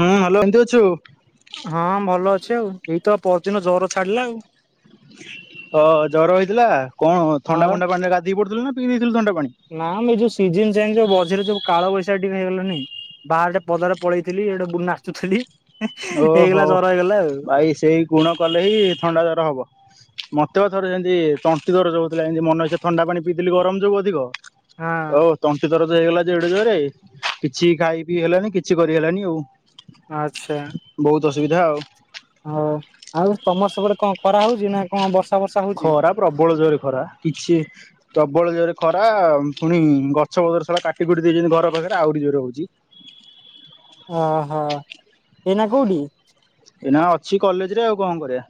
ହୁଁ ହ୍ୟାଲୋ କେମିତି ଅଛୁ? ହଁ ଭଲ ଅଛି ଆଉ ଏଇତ ପରଦିନ ଜର ଛାଡିଲା ଆଉ। ଅ ଜର ହେଇଥିଲା କଣ ଥଣ୍ଡା ହଁ ଫଣ୍ଡା ପାଣିରେ ଗାଧେଇ ପଡିଥିଲୁ ନା ପିଇ ଦେଇଥିଲୁ ଥଣ୍ଡା ପାଣି? ନାଁ ମ ଏଇ ଯୋଉ ସିଜନ ଚେଞ୍ଜ ମଝିରେ ଯୋଉ କାଳ ବୈସାଖି ଟିକେ ହେଇଗଲାଣିି ବାହାରେ ଟିକେ ପଦାରେ ପଳେଇଥିଲି ଏଠୁ ନାଚୁଥିଲି। ଓହୋ ହେଇଗଲା ଜର ହେଇଗଲା ଆଉ ବାଇ ସେଇ ଗୁଣ କଲେ ହିଁ ଥଣ୍ଡା ଜର ହବ ମତେ ବା ଥରେ ସେମିତି ତଣ୍ଟି ଦରଜ ହଉଥିଲା ଏମିତି ମନ ଇଚ୍ଛା ଥଣ୍ଡା ପାଣି ପିଇଥିଲି ଗରମ ଯୋଗୁ ଅଧିକ ହଁ ଓ ତଣ୍ଟି ଦରଜ ହେଇଗଲା ଏଡେ ଜୋରେ କିଛି ଖାଇ ପିଇ ହେଲାନି କିଛି କରି ହେଲାନି ଆଉ। ଆଚ୍ଛା। ବହୁତ ଅସୁବିଧା ଆଉ। ଆଉ ତମର ସେପଟେ କଣ ଖରା ହଉଛି ନା କଣ ବର୍ଷା ବର୍ଷା ହଉଛି? ଖରା ପ୍ରବଳ ଜୋରେ ଖରା କିଛି ପ୍ରବଳ ଜୋରେ ଖରା ପୁଣି ଗଛ ପତ୍ର ସବୁ କାଟି କୁଟି ଦେଇଛନ୍ତି ଘର ପାଖରେ ଆହୁରି ଜୋରେ ହଉଛି। ଓହୋ ଏଇନା କୋଉଠି? ଏଇ ନା ଅଛି କଲେଜ ରେ ଆଉ କଣ କରିବା?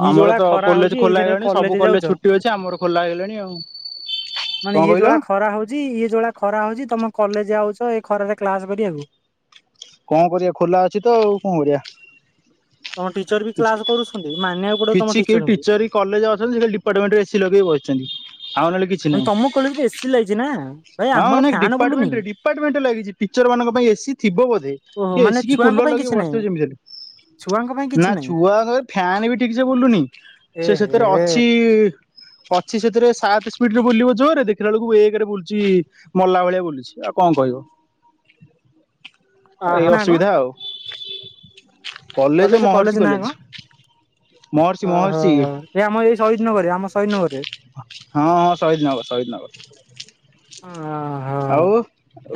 କି ଆମର ଯୋଉଳା ତ ଖରା ହଉଛି କଲେଜ ଖୋଲା ଏଇଥିରେ ହେଇଗଲାଣି ସବୁ ଯାଉଛ କଲେଜ ଛୁଟି ଅଛି ଆମର ଖୋଲା ହେଇଗଲାଣି ଆଉ। ମାନେ କଣ ଇଏ ଯୋଉ କହିଲ ଭଳିଆ ଖରା ହଉଛି ଇଏ ଯୋଉ ଭଳିଆ ଖରା ହଉଛି ତମେ କଲେଜ ଯାଉଛ ଏ ଖରାରେ କ୍ଲାସ କରିବାକୁ? କଣ କରିବା ଖୋଲା ଅଛି ତ ଆଉ କଣ କରିବା। ତମ ଟିଚର ବି କିଛି କ୍ଲାସ କରୁଛନ୍ତି ମାନିବାକୁ ପଡିବ କିଛି ତମ କେହି ଟିଚରଙ୍କୁ। ଟିଚର କଲେଜ ଅଛନ୍ତି ଡିପାର୍ଟମେଣ୍ଟରେ ଏସି ଲଗେଇ ବସିଛନ୍ତି ଆଉ ନହେଲେ କି ମାନେ ତମ କଲେଜ ରେ ଏସିି ଲାଗିଛି ନା ଭାଇ ଆମର ଫ୍ୟାନ ବୁଲୁନି। ଡିପାର୍ଟମେଣ୍ଟ ରେ ଲାଗିଛି ଟିଚର ମାନଙ୍କ ପାଇଁ ଏସି ଥିବ ବୋଧେ ଓହୋ କି ମାନେ ଏସି କି ଛୁଆଙ୍କ କୁଲର ପାଇଁ କିଛି ଲଗେଇ ନାହିଁ ବସିଥିବେ ଯେମିତି ହେଲେ। ଛୁଆଙ୍କ ପାଇଁ କିଛି ନାହିଁ ଛୁଆ ଙ୍କ ପାଇଁ ଫ୍ୟାନ୍ ବି ଠିକସେ ବୁଲୁନି ଏ ସେ ହେ ସେଥିରେ ଅଛି ଅଛି ସେଥିରେ ସାତ ସ୍ପିଡରେ ବୁଲିବ ଜୋରେ ଦେଖିଲା ବେଳକୁ ଏକ ରେ ବୁଲୁଛି ମଲା ଭଳିଆ ବୁଲୁଛି ଆଉ କଣ କହିବ। [inaudible] ଅହ ଏଇ ନା କଣ ଅସୁବିଧା ଆଉ କଲେଜ ମହର୍ଷି ନା କଣ କଲେଜ ମହର୍ଷି ଓହୋ ମହର୍ଷି ଏ ଆମର ଏଇ ଶହୀଦନଗରରେ ଆମ ଶହୀଦନଗରରେ ହଁ ହଁ ସହିଦ ନଗର ସହିଦ ନଗର ଓହୋ। ଆଉ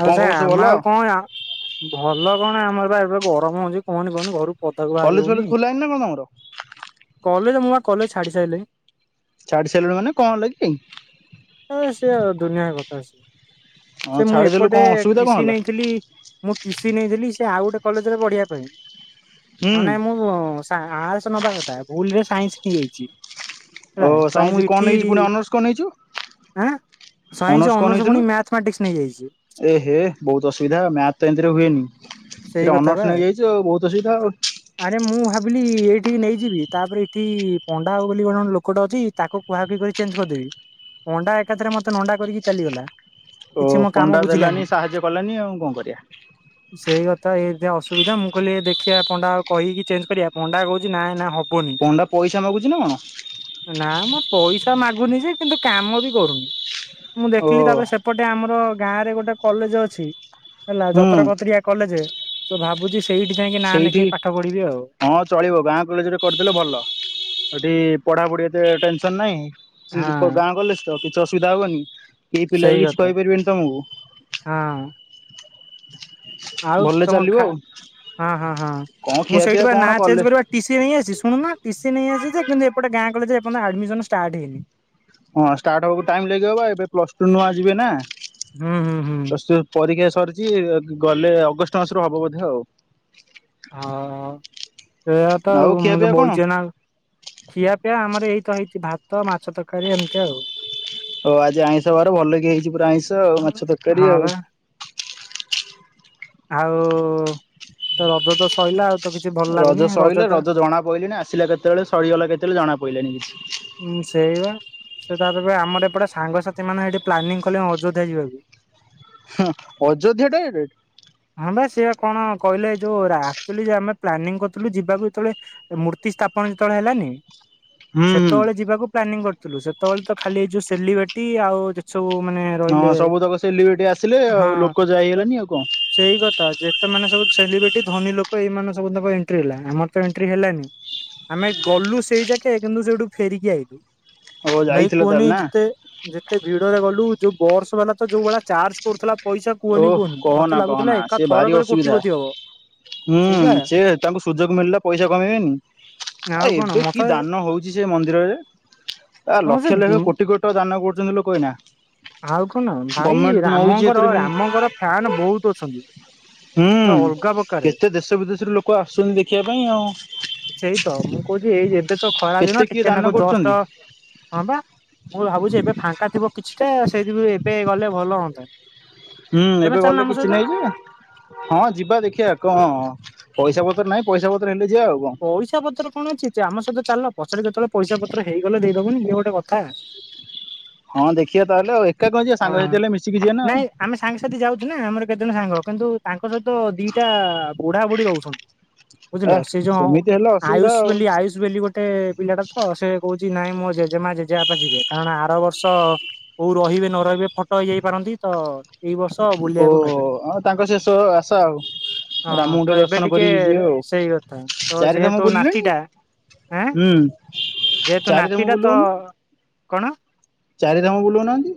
ଆଉ କଣ ସେ ଖବର ସବୁ ଭଲ ଆମ ଆଉ କଣ ଭଲ କଣ ଆମର ବା ଏବେ ଗରମ ହଉଛି କହନି କହନି ଘରୁ ପଦାକୁ ବାହାରି କଲେଜ ଫଲେଜ ହଉନି ଖୋଲା ହେଇନି ନା କଣ ତମର? କଲେଜ୍ ମୁଁ ବା କଲେଜ୍ ଛାଡି ସାରିଲିଣି। ଛାଡି ସାରିଲୁଣି ମାନେ କଣ ହେଲା କି? ଏ ସେ ଦୁନିଆ କଥା ସେ ହଁ ସେ ମୁଁ ଛାଡିଦେଲୁ ଏପଟେ କଣ ଗୋଟେ ଅସୁବିଧା କଣ ଟିସିି ହେଲା? ନେଇଥିଲି ମୁଁ ଟିସିି ନେଇଥିଲି ସେ ଆଉ ଗୋଟେ କଲେଜରେ ପଢିବା ପାଇଁ ହୁଁ ହଁ ନାଇଁ ମୁଁ ସା-ଆସ୍‌ ନବା କଥା ଭୁଲରେ ସାଇନ୍ସ ନେଇଯାଇଛି। ଓ ହେଲା ତ ମୁଁ ସାଇନ୍ସ କଣ ଏଠି ନେଇଚୁ ପୁଣି ଅନର୍ସ କଣ ନେଇଚୁ? ଆଁ ସାଇନ୍ସ ଅନର୍ସ ପୁଣି ମ୍ୟାଥମାଟିକ୍ସ ନେଇଯାଇଚି। ଏ ହେ ବହୁତ ଅସୁବିଧା ମ୍ୟାଥ ତ ଏମିତିରେ ହୁଏନି ସେଇ ଏରେ କଥା ବା ଅନର୍ସ ନେଇଯାଇଚୁ ଆଉ ବହୁତ ଅସୁବିଧା ଆଉ। ଆରେ ମୁଁ ଭାବିଲି ଏଇଠି ନେଇଯିବି ତାପରେ ଏଇଠି ପଣ୍ଡା ବାବୁ ବୋଲି ଜଣେ ଲୋକଟେ ଅଛି ତାକୁ କୁହାକୁହି କରି ଚେଞ୍ଜ କରିଦେବି ପଣ୍ଡା ଏକାଥରେ ମତେ ନଣ୍ଡା କରିକି ଚାଲିଗଲା। ଓ କିଛି ମୋ କାମ ପଣ୍ଡା ବୁଝିଲାନି ଦେଲାନି ସାହାଯ୍ୟ କଲାନି ଆଉ କଣ କରିବା। ସେଇ କଥା ଏମିତି ଅସୁବିଧା ମୁଁ କହିଲି ଦେଖିବା ପଣ୍ଡା ଆବ୍ କହିକି ଚେଞ୍ଜ କରିବା ପଣ୍ଡା କହୁଛି ନା ନା ହବ ପଣ୍ଡା ପଇସା ମାଗୁଛି ନା କଣ? ନା ମ ପଇସା ମାଗୁନି ଯେ କିନ୍ତୁ କାମ ବି କରୁନି ମୁଁ ଓ ଦେଖିଲି ତାପରେ ସେ ଏପଟେ ଆମର ଗାଁ ରେ ଗୋଟେ କଲେଜେ ଅଛି ହେଲା ହୁଁ ଯତ୍ରପତ୍ରିଆ କଲେଜେ ତ ଭାବୁଛି ସେଇଠି ଯାଇକି ନାଁ ସେଇଠି ନେଖେଇ ପାଠ ପଢିବି ଆଉ। ହଁ ଚଳିବ ଗାଁ କଲେଜ୍ ରେ କରିଦେଲେ ଭଲ ଏଠି ପଢାପଢି ଏତେ ଟେନ୍ସନ୍ ନାଇଁ ହଁ [unintelligible] ଗାଁ କଲେଜ ତ କିଛି ଅସୁବିଧା ହବନି କେହି ପିଲା ସେଇ ବି କିଛି କଥା। କହିପାରିବେନି ତମକୁ। ହଁ। [inaudible] ଆଉ ଭଲରେ ତମ ଚାଲିବ ଖା ଆଉ ହଁ ହଁ ହଁ କଣ ମୁଁ ଖିଆ ପିଆ ସେଇଠି ବା କଣ ନାଁ କଲେ ଚେଞ୍ଜ କରିବା ଟିସି ନେଇ ଆସି ଶୁଣୁ ନା ଟିସି ନେଇ ଆସି ଯେ କିନ୍ତୁ ଏପଟେ ଗାଁ କଲେଜରେ ଏପର୍ଯ୍ଯନ୍ତ ଆଡମିସନ ଷ୍ଟାର୍ଟ ହେଇନି। ହଁ ଷ୍ଟାର୍ଟ ହବାକୁ ଟାଇମ୍ ଲାଗିିବ ବା ଏବେ ପ୍ଲସ ଟୁ ନୂଆଁ ଯିବେ ନା। ହଁ ହଁ ହଁ। ପ୍ଲସ ଟୁ ପରୀକ୍ଷା ସରିଚି ଗଲେ ଅଗଷ୍ଟ ମାସରୁ ହବ ବୋଧ ଆଉ। ହଁ ସେଇୟା ତ ଖିଆ ଆଉ ପିଆ କଣ ବହିଚେନା ଖିଆପିଆ ଆମର ଏଇ ତ ହେଇଛି ଭାତ ମାଛ ତରକାରୀ ଏମିତି ଆଉ ହଉ ଆଜି ଆଇଁଷ ବାର ଭଲ କି ହେଇଛି ପୁରା ଆଇଁଷ ଆଉ ମାଛ ତରକାରୀ ହଁ ଆଉ। ବା ଆଉ ତ ରଜ ତ ସଇଲା ଆଉ। ତ କିଛି ଭଲ ଲାଗୁନି ରଜ ସଇଲେ ଟା ରଜ ଜଣା ପଇଲଣିି ଆସିଲା କେତେବେଳେ ସରିଗଲା କେତେବେଳେ ଜଣା ପଇଲାଣିି କିଛି। ହୁଁ ସେଇ ବା। ସେ ତାପରେ ପା ଆମର ଏପଟେ ସାଙ୍ଗସାଥି ମାନେ ଏଇଠି ପ୍ଲାନିଙ୍ଗ କଲେ ଅଯୋଧ୍ୟା ଯିବାକୁ। ହଁ ଅଯୋଧ୍ୟା ଟା ଡାଇରେକ୍ଟ। ହଁ ବା ସେ କଣ କହିଲେ ଯୋଉ ଆକ୍ଚୁଲି ଆମେ ପ୍ଲାନିଙ୍ଗ କରିୁଥିଲୁ ଯିବାକୁ ଯେତେବେଳେ ମୂର୍ତ୍ତି ସ୍ଥାପନ ଯେତେବେଳେ ହେଲାନି ହୁଁ ହୁଁ। ସେତେବେଳେ ଯିବାକୁ ପ୍ଲାନିଂ କରିଥିଲୁ ସେତେବେଳେ ତ ଖାଲି ଏ ଯୋଉ ସେଲିବେଟି ଆଉ ଯେତ୍ ସବୁ ମାନେ ହଁ ରହିଲେ ସବୁ ତକ ସେଲିିବେଟି ଆସିଲେ ହଁ ଆଉ ଲୋକ ଯାଇ ହେଲାନି ଆଉ କଁ? ସେଇ କଥା ଯେତେ ମାନେ ସବୁ ସେଲିବ୍ରିଟି ଧନୀ ଲୋକ ଏଇମାନେ ସବୁ ତାଙ୍କ ଏଣ୍ଟ୍ରି ହେଲା ଆମର ତ ଏଣ୍ଟ୍ରି ହେଲାନି। ଆମେ ଗଲୁ ସେଇ ଯାକେ କିନ୍ତୁ ସେଠୁ ଫେରିକି ଆଇଲୁ ଓ ଭାଇ ଯାଇଥିଲ ତାହେଲେ କୁହନି ନା। ଯେତେ ଯେତେ ଭିଡରେ ଗଲୁ ଯୋଉ ବର୍ସ ମାନେ ତ ଯୋଉ ଭଳିଆ ଚାର୍ଜ କରୁଥିଲା ପଇସା ଓଃ କୁହନି କୁହନି କହନା ମତେ କହନା ଲାଗୁଥିଲା ଏକା ସେ ଭାରି ଥର କରେ ଅସୁବିଧା। କୋଟି ପୋତି ହବ। ହୁଁ ସେଇବା ସେୟା ତାଙ୍କୁ ସୁଯୋଗ ମିଳିଲା ପଇସା କମେଇବେନି ଆଉ କଣ ଏବେ କି ମତେ ଦାନ ହଉ ସେ ମନ୍ଦିରରେ ଆ ହଁ ସେ ଲକ୍ଷ ଲକ୍ଷ କୋଟି କୋଟି ଟଙ୍କା ଦାନ କରୁଚନ୍ତି ଲୋକ ଏଇନା। ଆଉ କଣ ନବ ଭାଇ ଗଭର୍ଣ୍ଣମେଣ୍ଟ ନଉଛି ରାମଙ୍କର ଏଥିରେ ବି ହୁଁ। ରାମଙ୍କର ଫ୍ୟାନ୍ ବହୁତ୍ ଅଛନ୍ତି। ପୁରା ହୁଁ ଅଲଗା ପ୍ରକାରେ କେତେ ଦେଶ ବିଦେଶରୁ ଲୋକ ଆସୁଛନ୍ତି ଦେଖିବା ପାଇଁ ଆଉ। ସେଇ ତ ମୁଁ କହୁଛି ଏଇ ଏବେ ତ ଖରା ଦିନ କେତେ କିଏ ଟିକେ ଦାନ ନାକୁ କରୁଛନ୍ତି। ଜଷ୍ଟ ହଁ ବା ମୁଁ ଭାବୁଛି ଏବେ ଫାଙ୍କା ଥିବ କିଛି ତ ସେଇଥିପ ଏବେ ଗଲେ ଭଲ ହୁଅନ୍ତା। ହୁଁ ତମେ ଏବେ ଚାଲୁନ ଗଲେ ଆମ କିଛି ସହିତ ନାହିଁ ଯେ ହଁ ଯିବା ଦେଖିବା କଣ ପଇସା ପତ୍ର ନାହିଁ ପଇସା ପତ୍ର ହେଲେ ଯିବା ଆଉ କଣ। ପଇସା ପତ୍ର କଣ ଅଛି ଆମ ସହିତ ଚାଲ ପଛରେ କେତେବେଳେ ପଇସା ପତ୍ର ହେଇଗଲେ ଦେଇଦବନି ଇଏ ଗୋଟେ କଥା। ହଁ ଦେଖିବା ତାହେଲେ ଆଉ ଏକା କଣ ଯିବା ସାଙ୍ଗ ହଁ। ସାଥି ହେଲେ ମିଶିକି ଯିବେ ନା ନାଇଁ ଆଉ। ଆମେ ସାଙ୍ଗସାଥି ଯାଉଛୁ ନା ଆମର କେତେଜଣ ସାଙ୍ଗ କିନ୍ତୁ ତାଙ୍କ ସହିତ ଦିଟା ବୁଢା ବୁଢ଼ୀ ରହୁଛନ୍ତି। ବୁଝିଲ ଏ ସେ ଯୋଉ ସେମିତି ହେଲେ ଅସୁବିଧା ଆୟୁଷ ଆଉ ବୋଲି ଆୟୁଷ ଗୋଟେ ପିଲାଟା ତ ସେ କହୁଛି ନାଇଁ ମୋ ଜେଜେମା ଜେଜେବାପା ଯିବେ କାରଣ ଆର ବର୍ଷ କୋଉ ରହିବେ ନ ରହିବେ ଫଟୋ ହେଇଯାଇ ପାରନ୍ତି ତ ଏଇ ବର୍ଷ ଓ ବୁଲିବାକୁ ନେବେ। ଆଉ ତାଙ୍କ ଶେଷ ଆଶା ଆଉ। ହଁ ରାମଙ୍କୁ ତ ଏବେ ଦର୍ଶନ ଟିକେ କରିକି ଯିବେ ଆଉ ସେଇ କଥା ତ ଚାରିଧାମ ଯେହେତୁ ବୁଲିଲେଣି ନାତିଟା ଆଁ ହୁଁ ଯେହେତୁ ଚାରିଧାମ ନାତିଟା ତ ବୁଲଉନି କଣ? ଚାରିଧାମ ବୁଲଉନାହାଁନ୍ତି।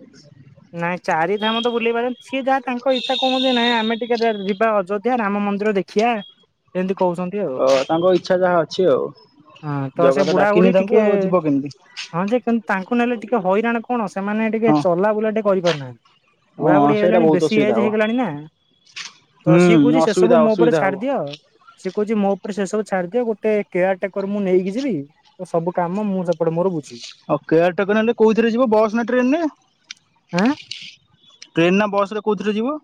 ନାଇଁ ଚାରି ଧାମ ତ ବୁଲି ପାରିବ ସିଏ ଯାହା ତାଙ୍କ ଇଚ୍ଛା କୁହନ୍ତି ନାହିଁ ଆମେ ଟିକେ ଯିବା ଅଯୋଧ୍ୟା ରାମ ମନ୍ଦିର ଦେଖିବା ଯେମିତି କହୁଛନ୍ତି ଆଉ। ଓ ତାଙ୍କ ଇଚ୍ଛା ଯାହା ଅଛି ଆଉ। ହଁ ତ ସେ ଜଗା ବୁଢା ବୁଢୀ ଡାକିନି ତାଙ୍କୁ ଟିକେ ଆଉ ଯିବ କେମିତି ହଁ ଯେ ତାଙ୍କୁ ନେଲେ ଟିକେ ହଇରାଣ କଣ ସେମାନେ ଟିକେ ହଁ। ଚଲାବୁଲା ଟିକେ କରିପାରୁନାହାନ୍ତି ହଁ ବୁଢା ବୁଢୀ ସେଇଟା ହେଇଗଲେଣି ବହୁତ ବେଶୀ ଅସୁବିଧା ଏଜ ହବ ହେଇଗଲାଣି ନା। ତ ସିଏ ହୁଁ କହୁଛି ସେ ସବୁ ଅସୁବିଧା ମୋ ଉପରେ ଅସୁବିଧା ହବ। ଛାଡିଦିଅ। ସେ କହୁଛି ମୋ ଉପରେ ସେ ସବୁ ଛାଡିଦିଅ ଗୋଟେ କେୟାର ଟେକର ମୁଁ ନେଇକି ଯିବି ସବୁ କାମ ମୁଁ ସେପଟେ ମୋର ବୁଝିବି। ଆଉ କେୟାରଟ ନେଲେ କୋଉଥିରେ ଯିବ ବସ୍ ନା ଟ୍ରେନରେ? ଆଁ? ଟ୍ରେନ ନା ବସ ରେ କୋଉଥିରେ ଯିବ?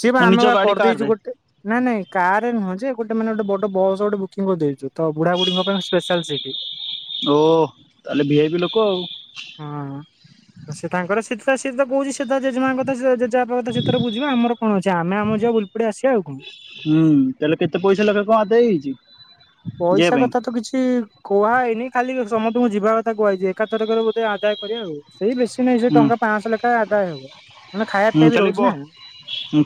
ସିଏ ବା ଆମେ ନିଜ ବା ଗାଡି କାର କରିଦେଇଛୁ ରେ ଗୋଟେ ନାଇଁ ନାଇଁ କାରରେ ନୁହଁ ଯେ ଗୋଟେ ମାନେ ଗୋଟେ ବଡ ବସ୍ ବୁକିଂ କରିଦେଇଛୁ ତ ବୁଢା ବୁଢୀଙ୍କ ପାଇଁ ସ୍ପେଶାଲ ସେଇଠି। ଓ ତାହେଲେ ଭିଆପି ଲୋକ। ହଁ। ସେ ତାଙ୍କର ସେ ସେ ତ କହୁଛି ସେ ଜେମାଙ୍କ କଥା ଜେଜେବାପ କଥା ସେତାର ବୁଝିବା ଆମର କଣ ଅଛି ଆମେ ଆମର ଯିବା ବୁ ଏପଟେ ଆସିବା ଆଉ କଣ। ହୁଁ ତାହଲେ କେତେ ପଇସା ଲେଖା କଣ ଆଦାୟ ହେଇଛି? ଯିବା ପଇସା ପାଇଁ କଥା ତ କିଛି କୁହା ହେଇନି ଖାଲି ସମସ୍ତଙ୍କୁ ଯିବା କଥା କୁହାହେଇଛି ଏକାଥରକରେ ବୋଧେ ଆଦାୟ କରିବା ଆଉ। ସେଇ ବେଶୀ ନାଇଁ ସେ ହୁଁ ଟଙ୍କା ପାଞ୍ଚଶହ ଲେଖା ଆଦାୟ ହବ ମାନେ ଖାଇବା ହୁଁ ପିଇବା ବି ଖାଲି ବ ରହୁଛି ନା।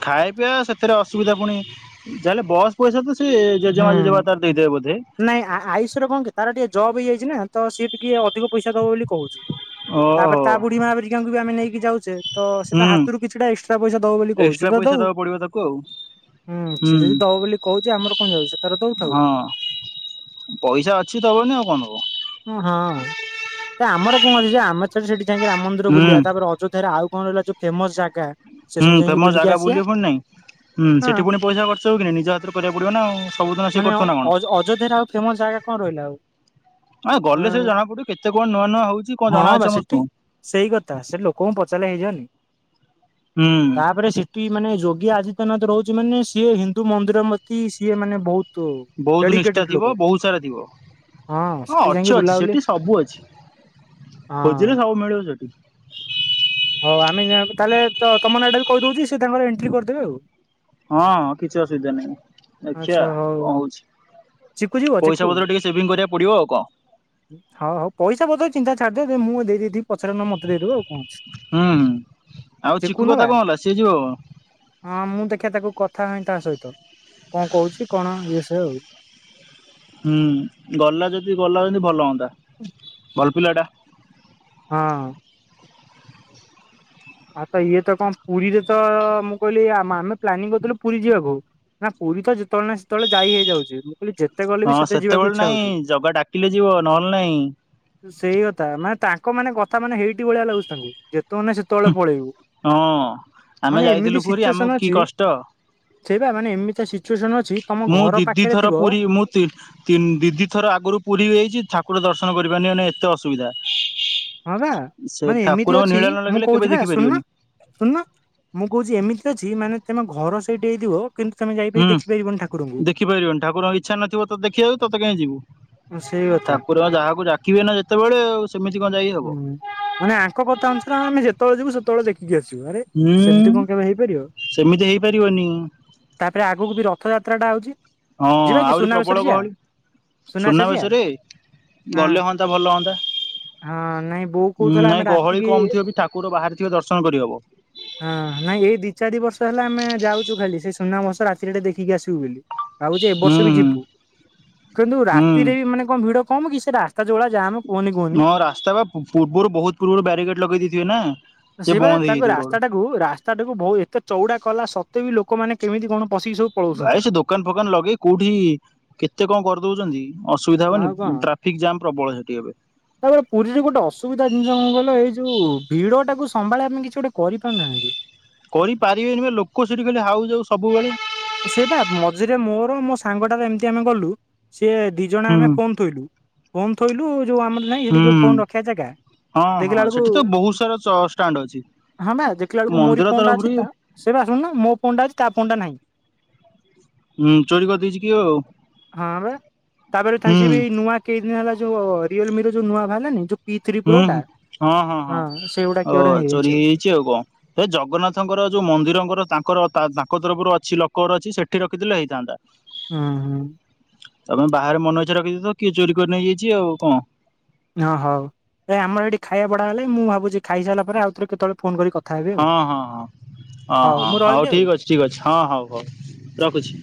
ଖାଇବା ପିଆ ସେଥିରେ ଅସୁବିଧା ପୁଣି ଯାହାେଲେ ବସ୍ ପଇସା ତ ସେ ଜେଜେମା ଜେଜେମା ହୁଁ। ତାର ଦେଇ ଦେବେ ବଧେ। ନାଇଁ ଆୟୁଷର କଣ କି ତାର ଟିକେ ଜବ୍ ହେଇଯାଇଛି ନା ତ ସିଏ ଟିକେ ଅଧିକ ପଇସା ଦବ ବୋଲି କହୁଛି। ତାପରେ ଓହୋ ତା ବୁଢୀ ମାାବରିକାଙ୍କୁ ବି ଆମେ ନେଇକି ଯାଉଛେ ତ ହୁଁ ସେଟା ହାତରୁ କିଛିଟା ଏକ୍ସଟ୍ରା ପଇସା ଦବ ବୋଲି ଏକ୍ସଟ୍ରା କହୁଛି ତ ପଇସା ଦଉ। ଦବାକୁ ପଡିବ ତାକୁ ଆଉ ହୁଁ ସିଏ ଯଦି ଦବ ବୋଲି କହୁଛି ଆମର କଣ ଯାଉଛି ସେ ତାର ଦଉଥାଉ ହଁ ପଇସା ଅଛି ଦବନି ଆଉ କଣ। ହଁ, ତ ଆମର କଣ ଅଛି ଯେ ଆମେ ଛାର ସେଠି ଯାଇକି ରାମ ମନ୍ଦି ହୁଁ ବୁଲିବା ତାପରେ ଅଯଧ୍ୟାରେ ଆଉ କଣ ରହିଲ। ଯୋଉ ଫେମସ ଜାଗା। ସେ ହୁଁ ସବୁ ଯାଇକି ଫେମସ ବୁଲିକି ଜାଗା ଆସିବା। ବୁଲି ବ ନାଇଁ? ହୁ ସେଠି ହଁ ପୁଣି ପଇସା ଖର୍ଚ ହେବ କିି ନିଜ ହାତରେ କରିବାକୁ ପଡ଼ିବ ନା ଆ ସବୁଦିନ ସିଏ ମାନେ କରୁ ନା କଣ? ଅ ଅଯୋଧ୍ୟାରେ ଆଉ ଫେମସ ଜାଗା କଣ ରହିଲା ଆଉ? ଆ ଗଲେ ସେ ଜଣା ପଡିବ କେତେ କଣ ନୂଆ ନୂଆ ହଉଛି କଣ ହଁ ଜଣାଅଛି ବା ସେଠି ସମସ୍ତଙ୍କୁ? ସେଇ କଥା ସେ ଲୋକଙ୍କୁ ପଚାରା ହେଇଯଵନି। ହୁଁ ତାପରେ ମାନେ ଯୋଗୀ ଆଦିତ୍ୟନାଥ ରହୁଛି ମାନେ ସିଏ ହିନ୍ଦୁ ମନ୍ଦିର ମତି ସିଏ ମାନେ ବହୁତୂ ବହୁତ ନିଷ୍ଠା ଥିବ ବହୁତ ସାରା ଥିବ। ହଁ ସେଠି ଯାଇକି ଅଛି ଅଛି ବୁଲାବୁଲି ସେଠି ସବୁ ଅଛି। ହଁ ଖୋଜିରେ ସବୁ ମିଳୁଵ ସେଠି। ହଉ ଆମେ ନିଆକୁ ତାହେଲେ ତମ ନାଆଟା ବି କହିଦଉଛି ସେ ଏଣ୍ଟ୍ରି କରିଦେବେ ଆଉ ହଁ କିଛି ଅସୁବିଧା ନାହିଁ। ଆଛା ଆଚ୍ଛା ହଉ କଣ ହଉଛି ଚିକୁ ଯିବ ଚିକୁ ପଇସା ପତ୍ର ଟିକେ ସେଭିଙ୍ଗି କରିବାକୁ ପଡିବ ଆଉ କଣ ହଉହଉ ପଇସା ପତ୍ର ଚିନ୍ତା ଛାଡିଦିଅ ମୁଁ ଦେଇ ଦେଇିଥବି ପଛରେ ନ ହେଲେ ମତେ ଦେଇଦବ ଆଉ କଣଞ୍ଚଛି। ହୁଁଆଉ ଚିକୁୁ କଥା କଣ ହେଲା ସିଏ ଯିବ। ହଁ ମୁଁ ଦେଖିବା ତାକୁ କଥା ହୁଏ ତା ସହିତ କଣ କହୁଛି କଣ ଇଏ ସିଏ ଆଉ। ହୁଁ ଗଲା ଯଦି ଗଲା ଯଦି ଭଲ ହୁଅନ୍ତା। [unintelligible] ଭଲପିଲାଟା। ହଁ ଆଉ ତ ଇଏ ତ କଣ ପୁରୀରେ ତ ମୁଁ କହିଲି ଆମେ ପ୍ଲାନିଂ କରୁଥିଲୁ ପୁରୀ ଯିବାକୁ। ନା ପୁରୀ ତ ଯେତେବେଳେ ନା ସେତେବେଳେ ଯାଇ ହେଇଯାଉଛି। କହିଲି ଯେତେ ଗଲେ ବି ହଁ ସେତେ ଯିବାକୁ ସେତେବେଳେ ଇଚ୍ଛା ହଉଛି। ନାଇଁ ଜଗ ଡାକିଲେ ଯିବ ନହେଲେ ନହିଁ। ସେଇ କଥା ମାନେ ତାଙ୍କ ମାନେ କଥା ମାନେ ହେଇଠି ଭଳିଆ ଲାଗୁଛନ୍ତି ଯେତେ ବେଳେ ନାଇ ସେତେ ସେଳେ ପଳେଇବୁ। ହଁ। ଆମେ ମାନେ ଯାଇଥିଲୁ ଏମିତି ପୁରୀ ଆମକୁ ସିଚୁଏସନ କି ଅଛି କଷ୍ଟ ସେଇବା ମାନେ ଏମିତି ଆସିଚୁଏସନ ଅଛି ତମ ମୁଁ ଘର ଦିଦି ପାଖରେ ଥର ଥିବ [unintelligible] ତିନି ଦିଦି ଥର ଆଗରୁ ପୁରୀଯାଇଛି ଠାକୁର ଦର୍ଶନ କରିପାରିନାହି ମାନେଏତେ ଅସୁବିଧା। ହଁ ବା ସେ ମାନେ ଏମିତି ଠାକୁରଙ୍କ ଅଛି ନିଳା ନ ମୁଁ ଲାଗିଲେ କେବେ କହୁଛି ବା ଦେଖିପାରିବନି ସୁଣୁନ ଶୁଣନ ମୁଁ କହୁଛି ଏମିତି ଅଛି ମାନେ ତମେ ଘର ସେଇଠି ହେଇଥିବ କିନ୍ତୁ ତମେ ଯାଇିକି ହୁଁ ଦେଖିପାରିବନି ଠାକୁରଙ୍କୁ। ଦେଖିପାରିବନି ଠକୁରଙ୍କ ଇଚ୍ଛା ନଥିବ ତ ଦେଖିଵାକୁ ତତେ କାହିଁକି ଯିବୁ। ସେଇ କଥା ଠାକୁର ଯାହାକୁ ଡାକିବେ ନା ଯେତେବେଳେ ଆଉ ସେମିତି କଣ ଯାଇ ହବ। ହୁଁ। ମାନେ ଆଙ୍କ କଥା ଅନୁସାରେ ଆମେ ଯେତେବେଳେ ଯିବୁ ସେତେବେଳେ ଦେଖିକି ଆସିବୁ ଆରେ ହୁଁ। ସେମିତି କଣ କେବେ ହେଇପାରିବ। ସେମିତି ହେଇପାରିବନି। ତାପରେ ଆଗକୁ ବି ରଥଯାତ୍ରାଟା ଆଉଚି। ହଁ ଆହୁରି ପ୍ରବଳ ଗହଳି। ସୁନାବେଶ ରେ ହଁ। ଗଲେ ହୁଅନ୍ତା ଭଲ ହୁଅନ୍ତା। ହଁ ନାଇଁ ବୋଉ କହୁଥିଲା ଆମେ ନାଇଁ ଗହଳି ରାତିକି କମ ଥିବ ବି ଠାକୁର ବାହାରି ଥିବେ ଦର୍ଶନ କରିହବ। ହଁ ନାଇଁ ଏଇ ଦି ଚାରି ବର୍ଷ ହେଲା ଆମେ ଯାଉଛୁ ଖାଲି ସେଇ ସୁନାବେଶ ରାତିରେ ଟିକେ ଦେଖିକି ଆସିବୁ ବୋଲି। ଭାବୁଛି ଏ ବର୍ଷ ବି ହୁଁ ଯିବୁ କିନ୍ତୁ ହୁଁ। ରାତିରେ ବି ମାନେ କଣ ଭିଡ କମ କି। ସେ ରାସ୍ତା ଯୋଉ ଭଳି ଯାମ ହଁ ରାସ୍ତା ବା ପୂର୍ବରୁ ବହୁତ ପୂର୍ବରୁ ବ୍ୟାରିକେଡ ଲଗେଇ ଦେଇେଇଥିବେ ନା ସେ ବନ୍ଦ ହେଇଯାଇଥିବ। ହଉ ରାସ୍ତା ଟାକୁ ବହୁତ ଏତେ ଚଉଡା କଲା ସତ୍ୱେ ବି ଲୋକମାନେେ କେମିତି କଣ ପଶିକି ସବୁ ପଳଉଛନ୍ତି। ଭାଇ ସେ ଦୋକାନ ଫୋକାନ ଲଗେଇ କୋଉଠି କେତେ କଣ କରିଦଉଛନ୍ତି। ଅସୁବିଧା ହବନି ଆଉ କଣ ଟ୍ରାଫିକ ଜାମ୍ ପ୍ରବଳ ସେଠି ଏବେ ତାପରେ ପୁରୀରେ ଗୋଟେ ଅସୁବିଧା ଜିନିଷ କଣ କହିଲ ଏଇ ଯୋଉ ଭିଡ ଟାକୁ ସମ୍ଭାଳିିବା ପାଇଁ କିଛି ଗୋଟେ କରିପାରୁନାହାଁନ୍ତି। [inaudible] କରିପାରିବେନି ବା ଲୋକ ସେଠି ଖାଲି ହାଉ ଯାଉ ସବୁବେଳେ ସେ ବା ମଝିରେ ମୋର ମୋ ସାଙ୍ଗଟାର ଏମିତି ଆମେ ଗଲୁ ସିଏ ଜଣେ ହୁଁ ଆମେ ଫୋନ ଥୋଇଲୁ ଫୋନ ଥୋଇଲୁ ଯୋଉ ଆମର ନାଇଁ ହେଇଠେ ଯୋଉ ହୁଁ ଫୋନ ରଖିବା ଜାଗା ହଁ ଦେଖିଲା ହଁ ବେଳକୁ ସେଠି ତ ବହୁତ ସାରା ଚ ଷ୍ଟାଣ୍ଡ ଅଛି। ହଁ ବା ଦେଖିଲା ବେଳକୁ ମୋରି ମନ୍ଦିର ଫୋନ ଟା ଅଛି ତରଫରୁ ହୁଁ ତା ସେଇବା ଶୁଣୁନ ମୋ ଫୋନ ଟା ଅଛି ତା ଫୋନ ଟା ନାହିଁ। ହୁଁ ଚୋରି କରିଦେଇଚି କିଏ ଆଉ ହଁ ବା। ତାପରେ ଥା ହୁଁ ସିଏ ବି ନୂଆ କେଇଦିନ ହେଲା ଯୋଉ ରିଅଲମିର ଯୋଉ ନୂଆ ବାହାରିଲାନି ଯୋଉ ପି ଥ୍ରୀ ହୁଁ ପ୍ରୋ ଟା ହୁଁ ହଁ ସେଇଗୋଟା କିଏଗୋଟେ ନେଇଯାଇଛି ଆଉ ଛି ଆଉ କଣ ହେ ଜଗନ୍ନାଥଙ୍କର ଯୋଉ ମନ୍ଦିରଙ୍କର ତାଙ୍କର ତା ତାଙ୍କ ତରଫରୁ ଅଛି ଲକର ଅଛି ସେଠି ରଖିଥିଲେ ହେଇଥାନ୍ତା ଉଁ ହୁଁ ତମେ ବାହାରେ ମନ ଇଛା ରଖିଦେଇଥିବ କିଏ ଚୋରି କରି ନେଇଯାଇଛି ଆଉ କଣ। ହଁ ହଉ ଏ ଆମର ଏଠି ଖାଇବାବଢ଼ା ହେଲାଣି ମୁଁ ଭାବୁଛି ଖାଇସାରିଲା ପରେ ଆଉ ଥରେ କେତେବେଳେ ଫୋନ କରି କଥା ହେବି ହଁ ଆଉ ହଁ ହଁ ଅ ହଁ ମୁଁ ହଉ ରହିଲି ଆଉ। ଠିକ୍ ଅଛି ଠିକ୍ ଅଛି ହଁ ହଉ ହଉ ରଖୁଛି